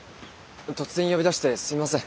突然呼び出してすいません。